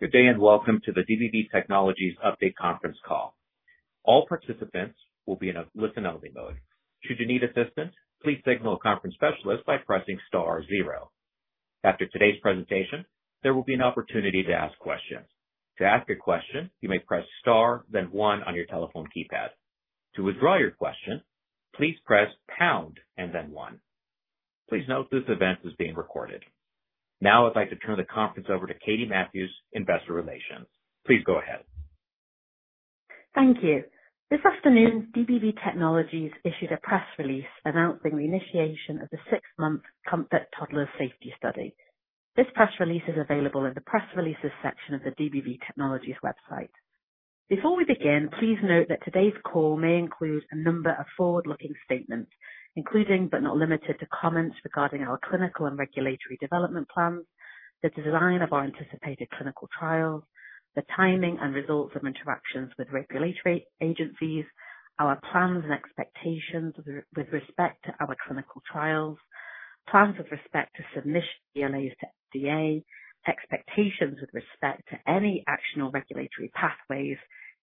Good day and welcome to the DBV Technologies update conference call. All participants will be in a listen-only mode. Should you need assistance, please signal a conference specialist by pressing star zero. After today's presentation, there will be an opportunity to ask questions. To ask a question, you may press star, then one on your telephone keypad. To withdraw your question, please press pound and then one. Please note this event is being recorded. Now I'd like to turn the conference over to Katie Matthews, Investor Relations. Please go ahead. Thank you. This afternoon, DBV Technologies issued a press release announcing the initiation of the six-month COMFORT Toddlers Safety Study. This press release is available in the press releases section of the DBV Technologies website. Before we begin, please note that today's call may include a number of forward-looking statements, including but not limited to comments regarding our clinical and regulatory development plans, the design of our anticipated clinical trials, the timing and results of interactions with regulatory agencies, our plans and expectations with respect to our clinical trials, plans with respect to submission of BLAs to FDA, expectations with respect to any action or regulatory pathways,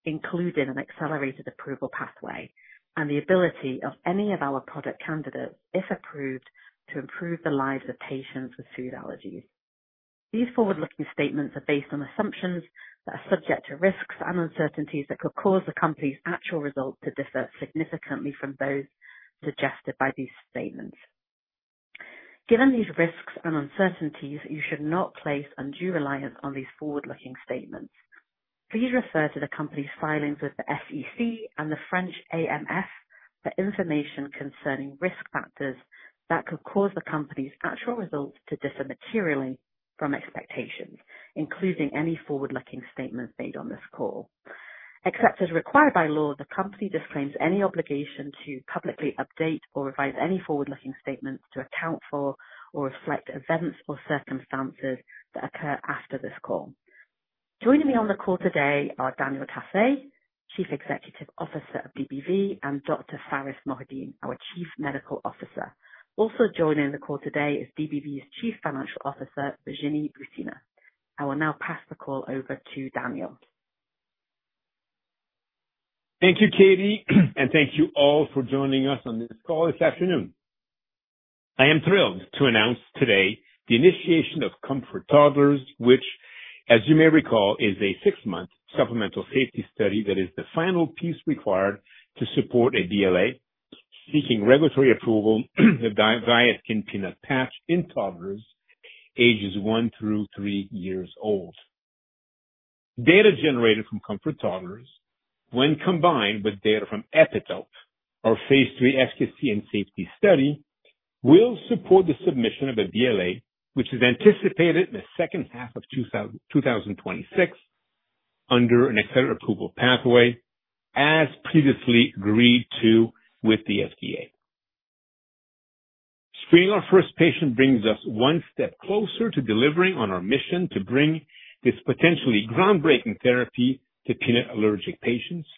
including an accelerated approval pathway, and the ability of any of our product candidates, if approved, to improve the lives of patients with food allergies. These forward-looking statements are based on assumptions that are subject to risks and uncertainties that could cause the company's actual results to differ significantly from those suggested by these statements. Given these risks and uncertainties, you should not place undue reliance on these forward-looking statements. Please refer to the company's filings with the SEC and the French AMF for information concerning risk factors that could cause the company's actual results to differ materially from expectations, including any forward-looking statements made on this call. Except as required by law, the company disclaims any obligation to publicly update or revise any forward-looking statements to account for or reflect events or circumstances that occur after this call. Joining me on the call today are Daniel Tassé, Chief Executive Officer of DBV Technologies, and Dr. Pharis Mohideen, our Chief Medical Officer. Also joining the call today is DBV Technologies' Chief Financial Officer, Virginie Boucinha. I will now pass the call over to Daniel. Thank you, Katie, and thank you all for joining us on this call this afternoon. I am thrilled to announce today the initiation of COMFORT Toddlers, which, as you may recall, is a six-month supplemental safety study that is the final piece required to support a BLA seeking regulatory approval of VIASKIN Peanut patch in toddlers ages one through three years old. Data generated from COMFORT Toddlers, when combined with data from EPITOPE, our phase III efficacy and safety study, will support the submission of a BLA, which is anticipated in the second half of 2026 under an accelerated approval pathway, as previously agreed to with the FDA. Screening our first patient brings us one step closer to delivering on our mission to bring this potentially groundbreaking therapy to peanut allergic patients.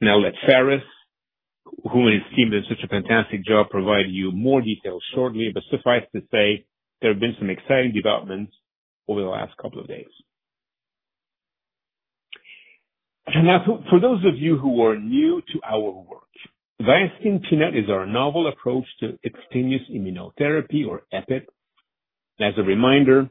Now, let Pharis, who has been doing such a fantastic job, provide you more details shortly, but suffice to say there have been some exciting developments over the last couple of days. Now, for those of you who are new to our work, VIASKIN Peanut is our novel approach to cutaneous immunotherapy, or EPIT. As a reminder,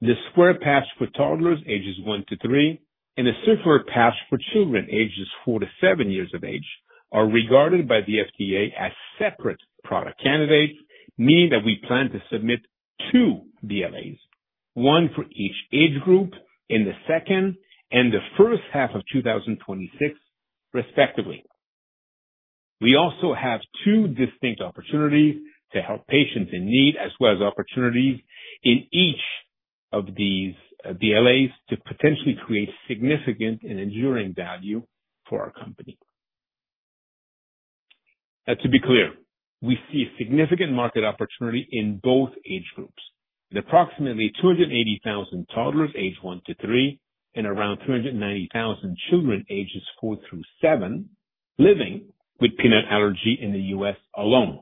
the square patch for toddlers ages one to three and the circular patch for children ages four to seven years of age are regarded by the FDA as separate product candidates, meaning that we plan to submit two BLAs, one for each age group in the second and the first half of 2026, respectively. We also have two distinct opportunities to help patients in need, as well as opportunities in each of these BLAs to potentially create significant and enduring value for our company. To be clear, we see a significant market opportunity in both age groups, approximately 280,000 toddlers aged one to three and around 390,000 children ages four through seven living with peanut allergy in the U.S. alone.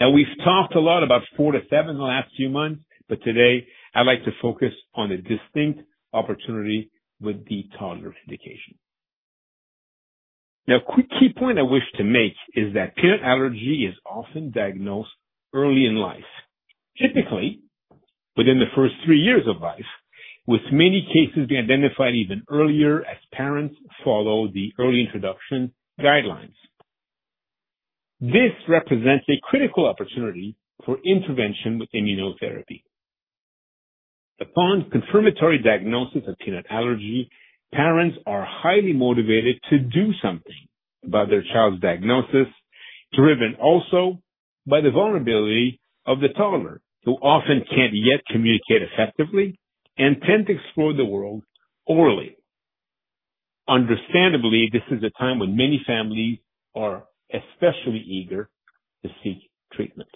Now, we've talked a lot about four to seven in the last few months, but today I'd like to focus on a distinct opportunity with the toddler syndication. Now, a key point I wish to make is that peanut allergy is often diagnosed early in life, typically within the first three years of life, with many cases being identified even earlier as parents follow the early introduction guidelines. This represents a critical opportunity for intervention with immunotherapy. Upon confirmatory diagnosis of peanut allergy, parents are highly motivated to do something about their child's diagnosis, driven also by the vulnerability of the toddler, who often can't yet communicate effectively and tend to explore the world orally. Understandably, this is a time when many families are especially eager to seek treatment.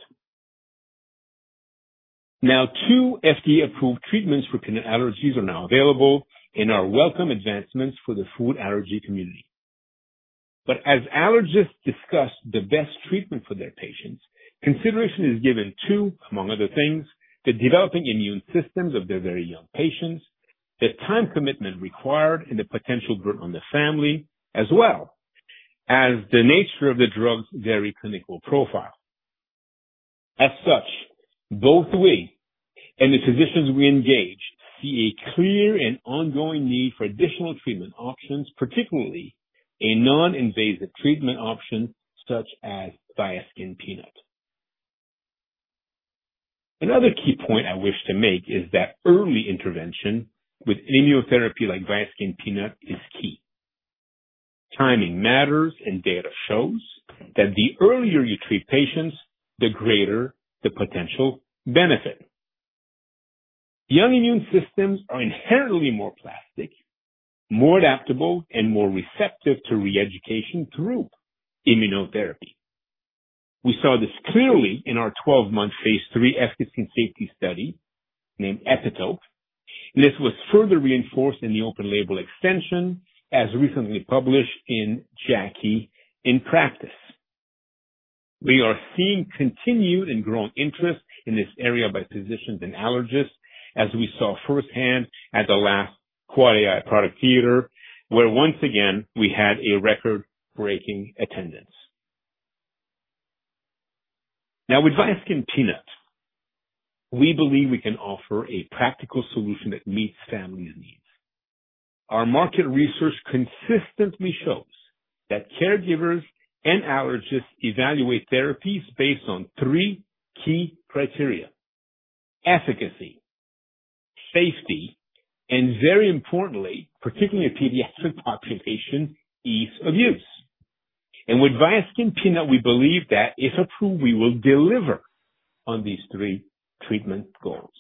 Now, two FDA-approved treatments for peanut allergies are now available in our welcome advancements for the food allergy community. As allergists discuss the best treatment for their patients, consideration is given to, among other things, the developing immune systems of their very young patients, the time commitment required, and the potential burden on the family, as well as the nature of the drug's very clinical profile. As such, both we and the physicians we engage see a clear and ongoing need for additional treatment options, particularly a non-invasive treatment option such as VIASKIN Peanut. Another key point I wish to make is that early intervention with immunotherapy like VIASKIN Peanut is key. Timing matters, and data shows that the earlier you treat patients, the greater the potential benefit. Young immune systems are inherently more plastic, more adaptable, and more receptive to re-education through immunotherapy. We saw this clearly in our 12-month phase III efficacy and safety study named EPITOPE, and this was further reinforced in the open-label extension as recently published in JACI: In Practice. We are seeing continued and growing interest in this area by physicians and allergists, as we saw firsthand at the last QuAD AI product theater, where once again we had a record-breaking attendance. Now, with VIASKIN Peanut, we believe we can offer a practical solution that meets families' needs. Our market research consistently shows that caregivers and allergists evaluate therapies based on three key criteria: efficacy, safety, and, very importantly, particularly in pediatric populations, ease of use. With VIASKIN Peanut, we believe that if approved, we will deliver on these three treatment goals.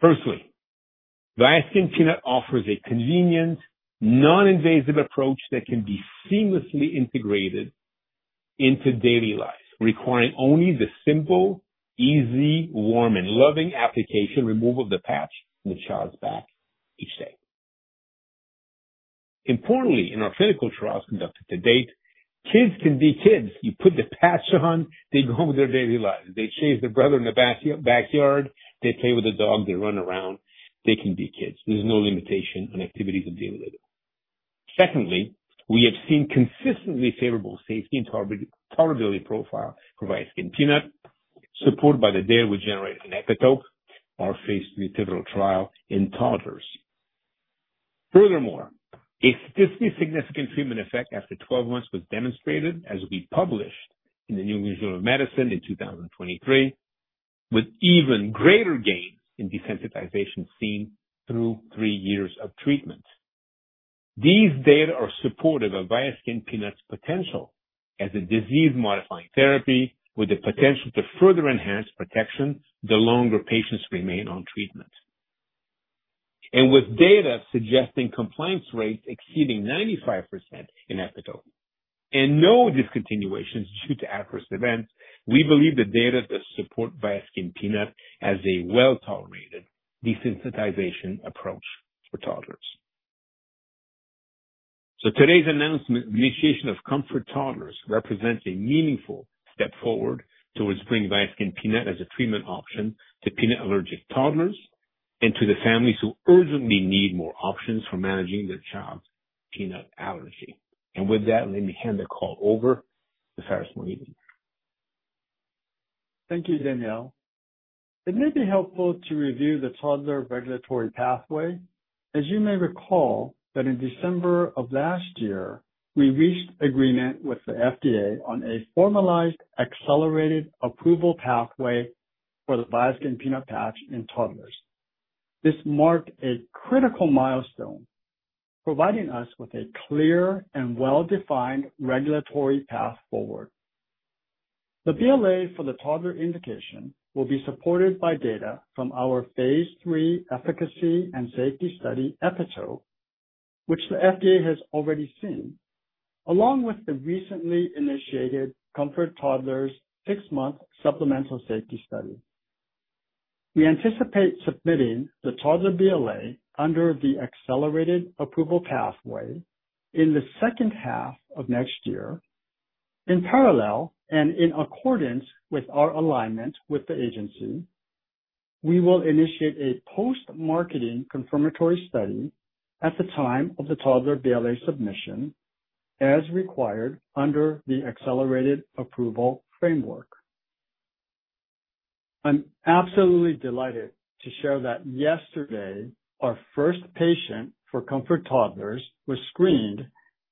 Firstly, VIASKIN Peanut offers a convenient, non-invasive approach that can be seamlessly integrated into daily life, requiring only the simple, easy, warm, and loving application and removal of the patch from the child's back each day. Importantly, in our clinical trials conducted to date, kids can be kids. You put the patch on, they go home with their daily lives. They chase their brother in the backyard. They play with the dog. They run around. They can be kids. There is no limitation on activities of daily living. Secondly, we have seen consistently favorable safety and tolerability profile for VIASKIN Peanut, supported by the data we generated in EPITOPE, our phase III pivotal trial in toddlers. Furthermore, a statistically significant treatment effect after 12 months was demonstrated, as we published in the New England Journal of Medicine in 2023, with even greater gains in desensitization seen through three years of treatment. These data are supportive of VIASKIN Peanut's potential as a disease-modifying therapy with the potential to further enhance protection the longer patients remain on treatment. With data suggesting compliance rates exceeding 95% in EPITOPE and no discontinuations due to adverse events, we believe the data does support VIASKIN Peanut as a well-tolerated desensitization approach for toddlers. Today's announcement, the initiation of COMFORT Toddlers, represents a meaningful step forward towards bringing VIASKIN Peanut as a treatment option to peanut allergic toddlers and to the families who urgently need more options for managing their child's peanut allergy. With that, let me hand the call over to Pharis Mohideen. Thank you, Daniel. It may be helpful to review the toddler regulatory pathway. As you may recall, that in December of last year, we reached agreement with the FDA on a formalized accelerated approval pathway for the VIASKIN Peanut patch in toddlers. This marked a critical milestone, providing us with a clear and well-defined regulatory path forward. The BLA for the toddler indication will be supported by data from our phase III efficacy and safety study EPITOPE, which the FDA has already seen, along with the recently initiated COMFORT Toddlers six-month supplemental safety study. We anticipate submitting the toddler BLA under the accelerated approval pathway in the second half of next year. In parallel and in accordance with our alignment with the agency, we will initiate a post-marketing confirmatory study at the time of the toddler BLA submission, as required under the accelerated approval framework. I'm absolutely delighted to share that yesterday, our first patient for COMFORT Toddlers was screened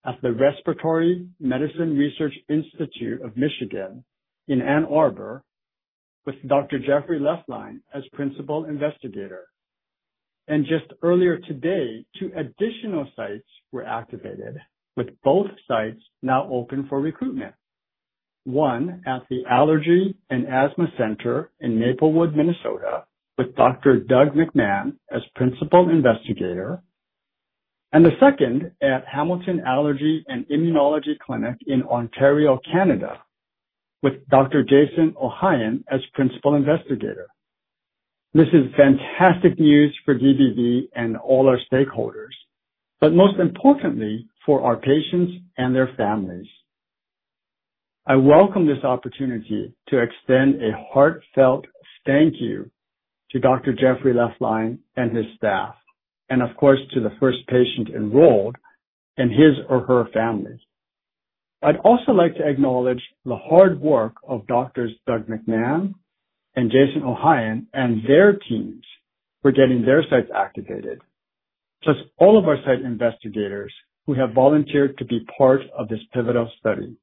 at the Respiratory Medicine Research Institute of Michigan in Ann Arbor with Dr. Jeffrey Leflein as principal investigator. Just earlier today, two additional sites were activated, with both sites now open for recruitment, one at the Allergy and Asthma Center in Maplewood, Minnesota, with Dr. Doug McMahon as principal investigator, and the second at Hamilton Allergy and Immunology Clinic in Ontario, Canada, with Dr. Jason Ohanian as principal investigator. This is fantastic news for DBV and all our stakeholders, but most importantly, for our patients and their families. I welcome this opportunity to extend a heartfelt thank you to Dr. Jeffrey Leflein and his staff, and of course, to the first patient enrolled and his or her family. I'd also like to acknowledge the hard work of Doctors Doug McMahon and Jason Ohanian and their teams for getting their sites activated, plus all of our site investigators who have volunteered to be part of this pivotal study.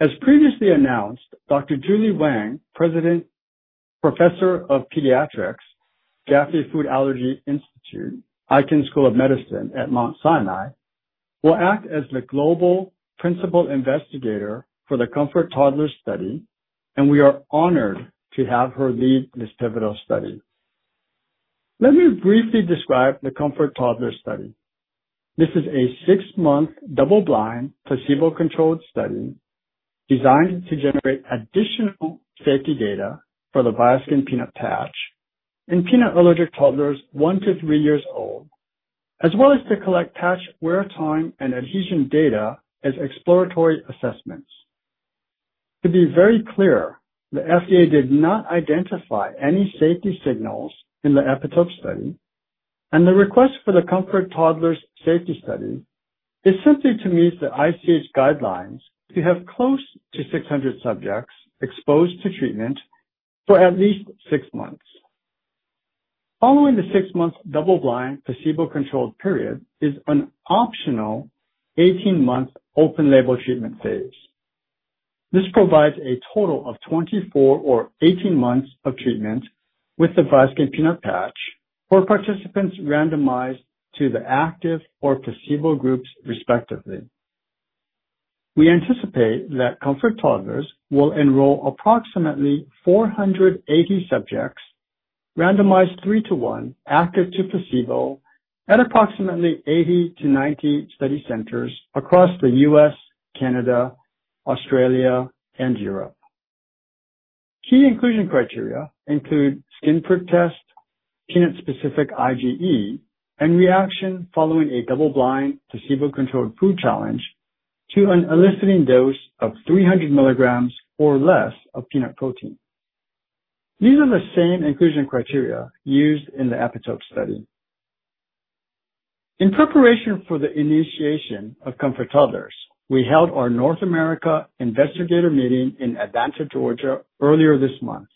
As previously announced, Dr. Julie Wang, Professor of Pediatrics, Jaffe Food Allergy Institute, Icahn School of Medicine at Mount Sinai, will act as the global principal investigator for the COMFORT Toddlers study, and we are honored to have her lead this pivotal study. Let me briefly describe the COMFORT Toddlers study. This is a six-month double-blind placebo-controlled study designed to generate additional safety data for the VIASKIN Peanut patch in peanut allergic toddlers one to three years old, as well as to collect patch wear time and adhesion data as exploratory assessments. To be very clear, the FDA did not identify any safety signals in the EPITOPE study, and the request for the COMFORT Toddlers safety study is simply to meet the ICH guidelines to have close to 600 subjects exposed to treatment for at least six months. Following the six-month double-blind placebo-controlled period is an optional 18-month open-label treatment phase. This provides a total of 24 or 18 months of treatment with the VIASKIN Peanut patch for participants randomized to the active or placebo groups, respectively. We anticipate that COMFORT Toddlers will enroll approximately 480 subjects, randomized three to one, active to placebo, at approximately 80 to 90 study centers across the U.S., Canada, Australia, and Europe. Key inclusion criteria include skin prick test, peanut-specific IgE, and reaction following a double-blind placebo-controlled food challenge to an eliciting dose of 300 mg or less of peanut protein. These are the same inclusion criteria used in the EPITOPE study. In preparation for the initiation of COMFORT Toddlers, we held our North America investigator meeting in Atlanta, Georgia, earlier this month.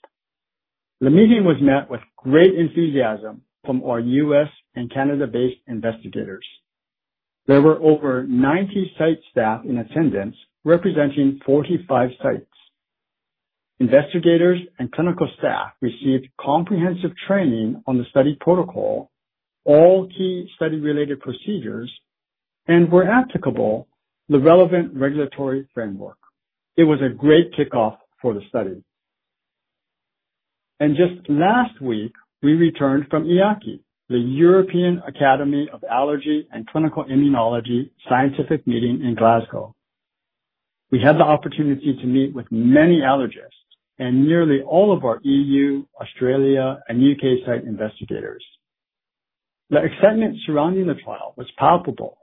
The meeting was met with great enthusiasm from our U.S. and Canada-based investigators. There were over 90 site staff in attendance, representing 45 sites. Investigators and clinical staff received comprehensive training on the study protocol, all key study-related procedures, and were applicable to the relevant regulatory framework. It was a great kickoff for the study. Just last week, we returned from EAACI, the European Academy of Allergy and Clinical Immunology Scientific Meeting in Glasgow. We had the opportunity to meet with many allergists and nearly all of our EU, Australia, and U.K. site investigators. The excitement surrounding the trial was palpable,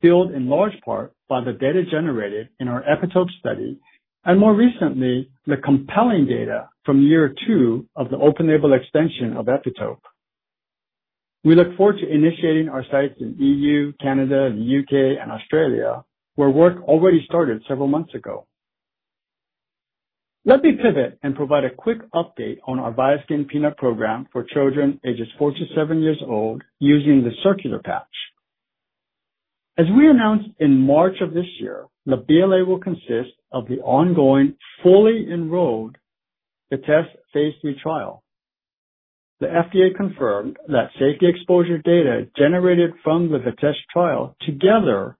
fueled in large part by the data generated in our EPITOPE study and, more recently, the compelling data from year two of the open-label extension of EPITOPE. We look forward to initiating our sites in the EU, Canada, the U.K., and Australia, where work already started several months ago. Let me pivot and provide a quick update on our VIASKIN Peanut program for children ages four to seven years old using the circular patch. As we announced in March of this year, the BLA will consist of the ongoing fully enrolled VITESSE phase III trial. The FDA confirmed that safety exposure data generated from the VITESSE trial, together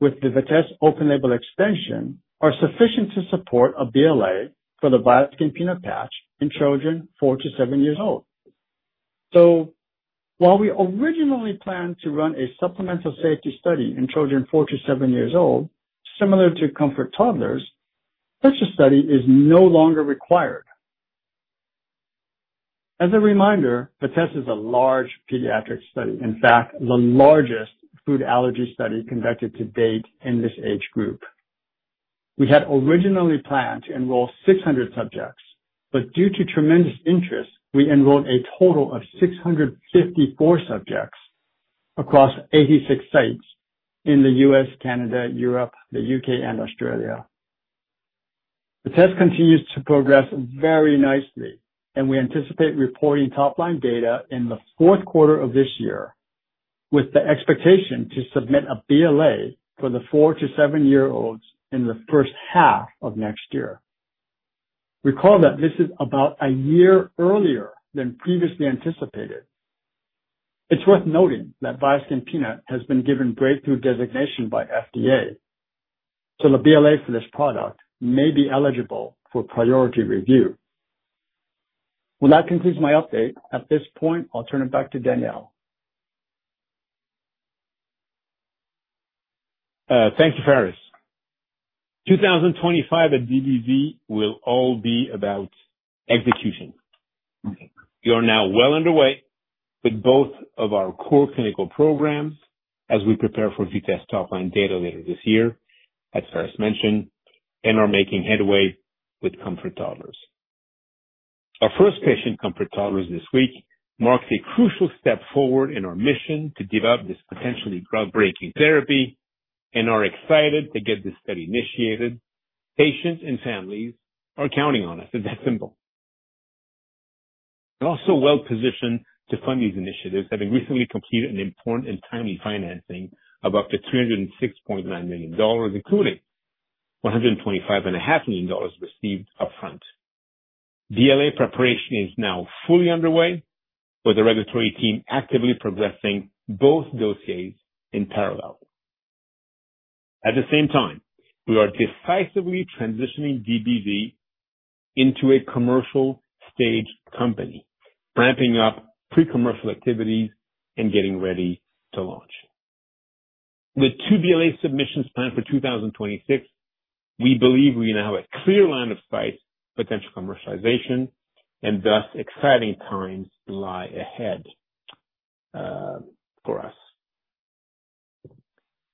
with the VITESSE open-label extension, are sufficient to support a BLA for the VIASKIN Peanut patch in children four to seven years old. While we originally planned to run a supplemental safety study in children four to seven years old, similar to COMFORT Toddlers, such a study is no longer required. As a reminder, VITESSE is a large pediatric study, in fact, the largest food allergy study conducted to date in this age group. We had originally planned to enroll 600 subjects, but due to tremendous interest, we enrolled a total of 654 subjects across 86 sites in the U.S., Canada, Europe, the U.K., and Australia. VITESSE continues to progress very nicely, and we anticipate reporting top-line data in the fourth quarter of this year, with the expectation to submit a BLA for the four to seven-year-olds in the first half of next year. Recall that this is about a year earlier than previously anticipated. It's worth noting that Viaskin Peanut has been given breakthrough designation by the FDA, so the BLA for this product may be eligible for priority review. That concludes my update. At this point, I'll turn it back to Daniel. Thank you, Pharis. 2025 at DBV will all be about execution. We are now well underway with both of our core clinical programs as we prepare for VITESSE top-line data later this year, as Faris mentioned, and are making headway with COMFORT Toddlers. Our first patient, COMFORT Toddlers, this week marks a crucial step forward in our mission to develop this potentially groundbreaking therapy, and are excited to get this study initiated. Patients and families are counting on us, and that's simple. We're also well-positioned to fund these initiatives, having recently completed an important and timely financing of up to $306.9 million, including $125.5 million received upfront. BLA preparation is now fully underway, with the regulatory team actively progressing both dossiers in parallel. At the same time, we are decisively transitioning DBV into a commercial-stage company, ramping up pre-commercial activities and getting ready to launch. With two BLA submissions planned for 2026, we believe we now have a clear line of sight for potential commercialization, and thus, exciting times lie ahead for us.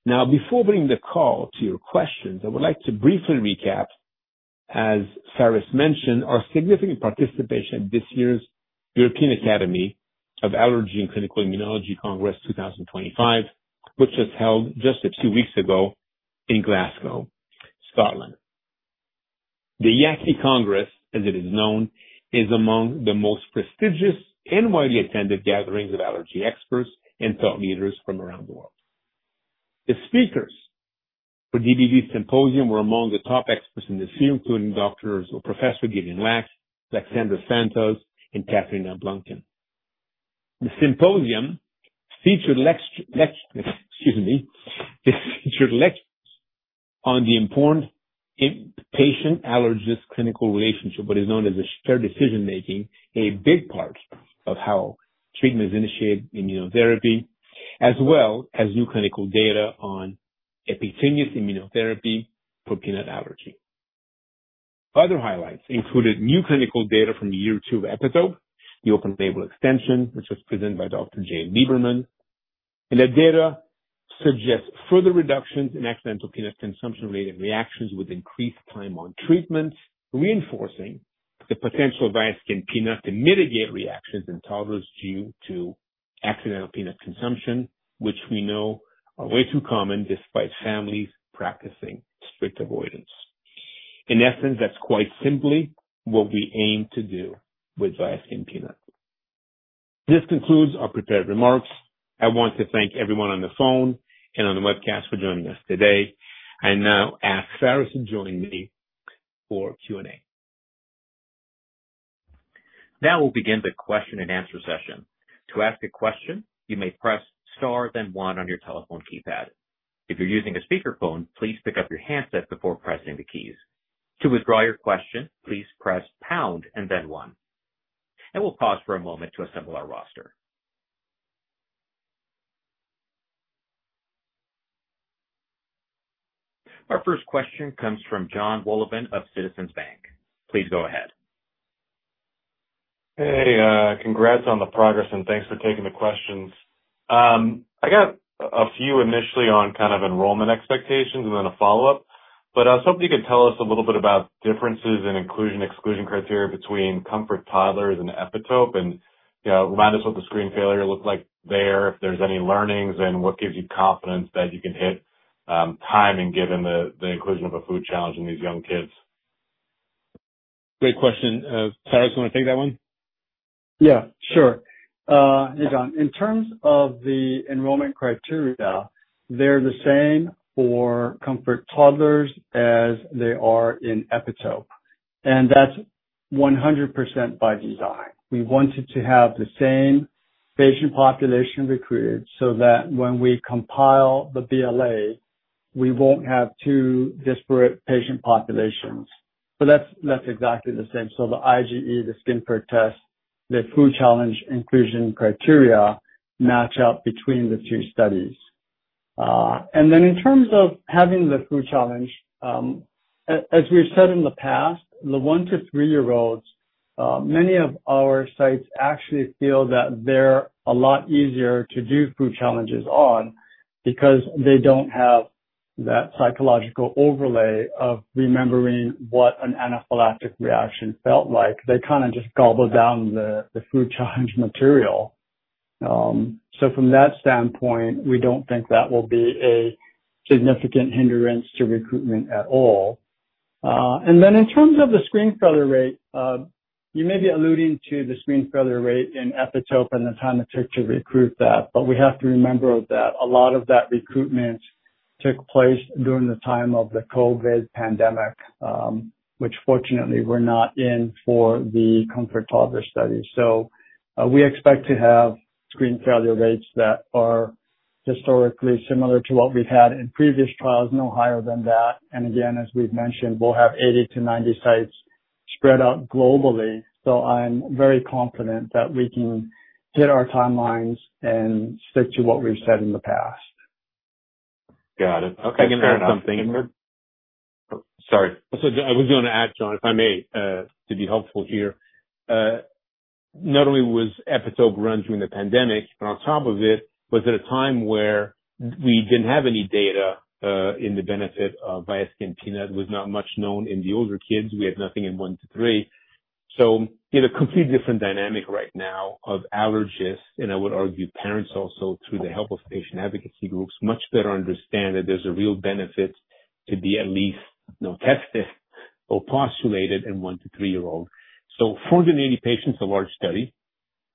Now, before bringing the call to your questions, I would like to briefly recap, as Pharis mentioned, our significant participation in this year's European Academy of Allergy and Clinical Immunology Congress 2024, which was held just a few weeks ago in Glasgow, Scotland. The EAACI Congress, as it is known, is among the most prestigious and widely attended gatherings of allergy experts and thought leaders from around the world. The speakers for DBV Symposium were among the top experts in this year, including Doctors or Professor Gideon Lack, Alexander Santos, and Catherine Duggan. The symposium featured lectures on the important patient-allergy clinical relationship, what is known as shared decision-making, a big part of how treatment is initiated, immunotherapy, as well as new clinical data on epicutaneous immunotherapy for peanut allergy. Other highlights included new clinical data from year two of EPITOPE, the open-label extension, which was presented by Dr. Jane Lieberman, and the data suggests further reductions in accidental peanut consumption-related reactions with increased time on treatment, reinforcing the potential of VIASKIN Peanut to mitigate reactions in toddlers due to accidental peanut consumption, which we know are way too common despite families practicing strict avoidance. In essence, that is quite simply what we aim to do with VIASKIN Peanut. This concludes our prepared remarks. I want to thank everyone on the phone and on the webcast for joining us today. I now ask Pharis to join me for Q&A. Now we'll begin the question-and-answer session. To ask a question, you may press star then one on your telephone keypad. If you're using a speakerphone, please pick up your handset before pressing the keys. To withdraw your question, please press pound and then one. We'll pause for a moment to assemble our roster. Our first question comes from John Fulone of Citizens Bank. Please go ahead. Hey, congrats on the progress, and thanks for taking the questions. I got a few initially on kind of enrollment expectations and then a follow-up, but I was hoping you could tell us a little bit about differences in inclusion-exclusion criteria between COMFORT Toddlers and EPITOPE and remind us what the screen failure looked like there, if there's any learnings, and what gives you confidence that you can hit timing given the inclusion of a food challenge in these young kids. Great question. Pharis, do you want to take that one? Yeah, sure. Hey, John. In terms of the enrollment criteria, they're the same for COMFORT Toddlers as they are in EPITOPE, and that's 100% by design. We wanted to have the same patient population recruited so that when we compile the BLA, we won't have two disparate patient populations. That's exactly the same. The IgE, the skin prick test, the food challenge inclusion criteria match up between the two studies. In terms of having the food challenge, as we've said in the past, the one to three-year-olds, many of our sites actually feel that they're a lot easier to do food challenges on because they don't have that psychological overlay of remembering what an anaphylactic reaction felt like. They kind of just gobble down the food challenge material. From that standpoint, we don't think that will be a significant hindrance to recruitment at all. In terms of the screen failure rate, you may be alluding to the screen failure rate in EPITOPE and the time it took to recruit that, but we have to remember that a lot of that recruitment took place during the time of the COVID pandemic, which fortunately we're not in for the COMFORT Toddlers study. We expect to have screen failure rates that are historically similar to what we've had in previous trials, no higher than that. As we've mentioned, we'll have 80 to 90 sites spread out globally. I'm very confident that we can hit our timelines and stick to what we've said in the past. Got it. Okay. I can add something. Sorry. I was going to add, John, if I may, to be helpful here. Not only was EPITOPE run during the pandemic, but on top of it, was at a time where we did not have any data in the benefit of VIASKIN Peanut. It was not much known in the older kids. We had nothing in one to three. We have a completely different dynamic right now of allergists, and I would argue parents also, through the help of patient advocacy groups, much better understand that there is a real benefit to be at least tested or postulated in one to three-year-olds. 480 patients is a large study.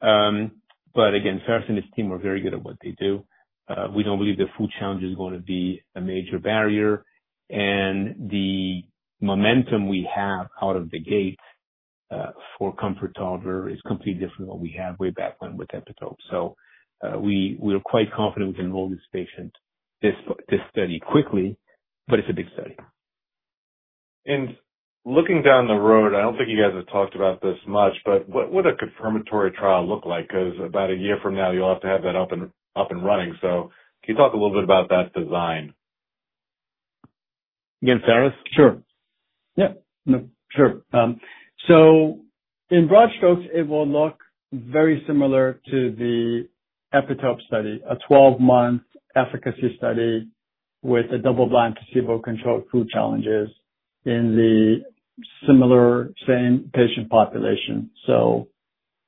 Again, Pharis and his team are very good at what they do. We do not believe the food challenge is going to be a major barrier. The momentum we have out of the gate for COMFORT Toddlers is completely different than what we had way back when withEPITOPE. We are quite confident we can enroll this patient, this study, quickly, but it's a big study. Looking down the road, I do not think you guys have talked about this much, but what would a confirmatory trial look like? Because about a year from now, you will have to have that up and running. Can you talk a little bit about that design? Again, Pharis? Sure. Yeah. Sure. In broad strokes, it will look very similar to the EPITOPE study, a 12-month efficacy study with double-blind placebo-controlled food challenges in the similar same patient population.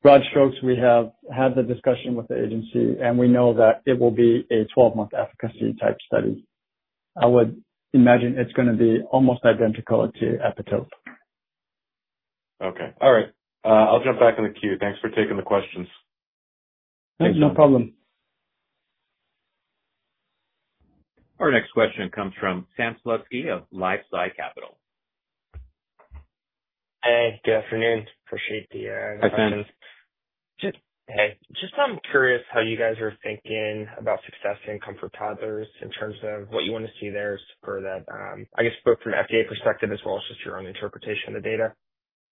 Broad strokes, we have had the discussion with the agency, and we know that it will be a 12-month efficacy-type study. I would imagine it's going to be almost identical to EPITOPE. Okay. All right. I'll jump back in the queue. Thanks for taking the questions. Thanks. No problem. Our next question comes from Sam Slutsky of LifeSci Capital. Hey, good afternoon. Appreciate the invitation. Hi, Sam. Hey. Just I'm curious how you guys are thinking about success in COMFORT Toddlers in terms of what you want to see there for that, I guess, both from FDA perspective as well as just your own interpretation of the data.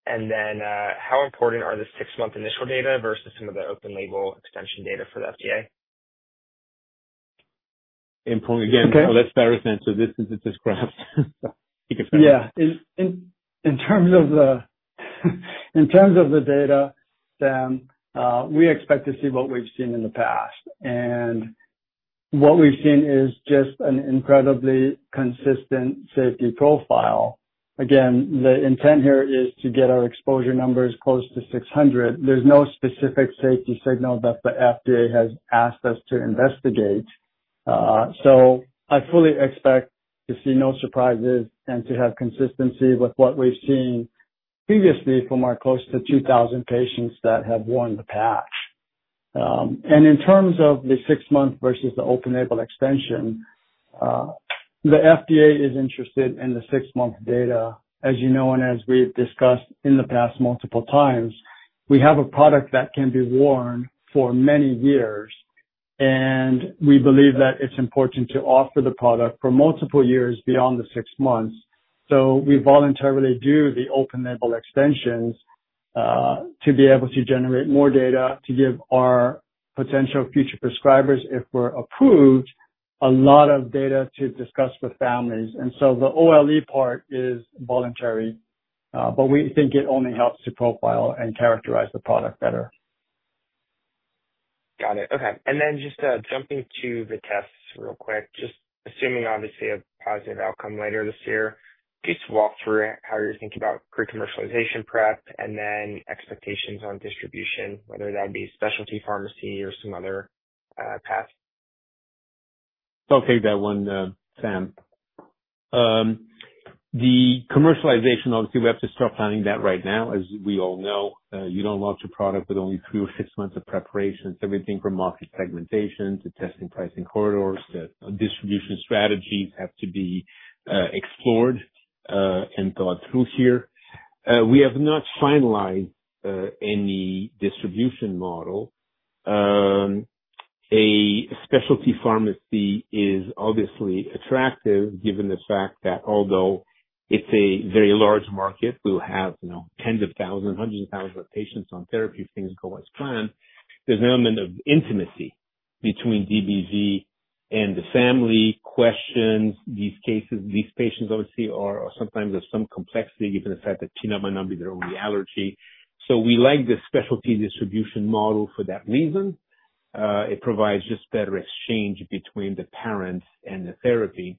Then how important are the six-month initial data versus some of the open label extension data for the FDA? Important. Again, let's Pharis answer this as it's described. Yeah. In terms of the data, Sam, we expect to see what we've seen in the past. What we've seen is just an incredibly consistent safety profile. Again, the intent here is to get our exposure numbers close to 600. There's no specific safety signal that the FDA has asked us to investigate. I fully expect to see no surprises and to have consistency with what we've seen previously from our close to 2,000 patients that have worn the patch. In terms of the six-month versus the open-label extension, the FDA is interested in the six-month data. As you know, and as we've discussed in the past multiple times, we have a product that can be worn for many years, and we believe that it's important to offer the product for multiple years beyond the six months. We voluntarily do the open label extensions to be able to generate more data to give our potential future prescribers, if we're approved, a lot of data to discuss with families. The OLE part is voluntary, but we think it only helps to profile and characterize the product better. Got it. Okay. And then just jumping to the tests real quick, just assuming, obviously, a positive outcome later this year, just walk through how you're thinking about pre-commercialization prep and then expectations on distribution, whether that be specialty pharmacy or some other path. I'll take that one, Sam. The commercialization, obviously, we have to start planning that right now. As we all know, you don't launch a product with only three or six months of preparation. Everything from market segmentation to testing, pricing corridors to distribution strategies have to be explored and thought through here. We have not finalized any distribution model. A specialty pharmacy is obviously attractive given the fact that although it's a very large market, we'll have tens of thousands, hundreds of thousands of patients on therapy if things go as planned. There's an element of intimacy between DBV and the family, questions, these cases. These patients, obviously, are sometimes of some complexity, given the fact that peanut might not be their only allergy. We like the specialty distribution model for that reason. It provides just better exchange between the parents and the therapy,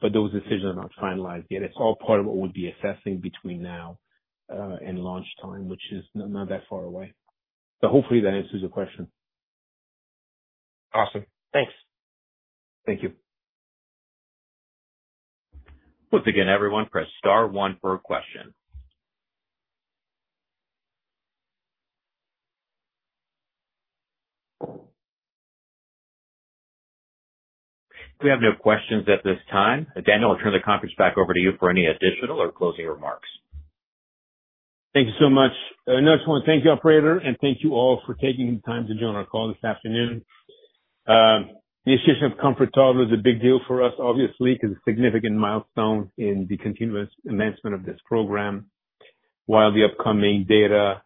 but those decisions are not finalized yet. It is all part of what we will be assessing between now and launch time, which is not that far away. Hopefully, that answers your question. Awesome. Thanks. Thank you. Once again, everyone, press star one for a question. We have no questions at this time. Daniel, I'll turn the conference back over to you for any additional or closing remarks. Thank you so much. Another one. Thank you, Operator, and thank you all for taking the time to join our call this afternoon. The issue of COMFORT Toddlers is a big deal for us, obviously, because it's a significant milestone in the continuous advancement of this program. While the upcoming data,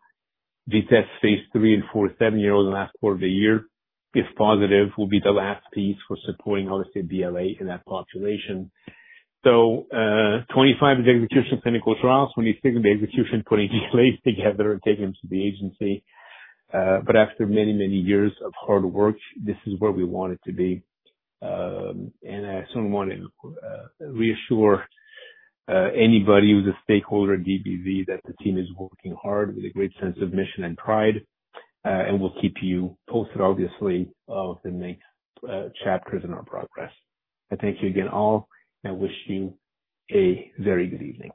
the tests phase III and IV, seven-year-olds in the last quarter of the year, if positive, will be the last piece for supporting, obviously, BLA in that population. Twenty-five is execution of clinical trials, twenty-six is execution putting BLAs together and taking them to the agency. After many, many years of hard work, this is where we want it to be. I certainly want to reassure anybody who's a stakeholder at DBV that the team is working hard with a great sense of mission and pride, and we'll keep you posted, obviously, of the next chapters in our progress. I thank you again all, and I wish you a very good evening.